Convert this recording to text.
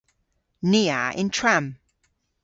Ni a yn tramm.